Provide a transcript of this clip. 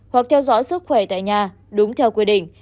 hoặc theo dõi sức khỏe tại nhà đúng theo quy định